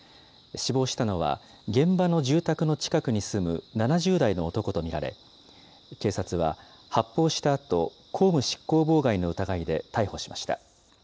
死亡したのは、現場の住宅の近くに住む７０代の男と見られ、警察は、発砲したあと、公務執行妨害の疑いで逮捕しました。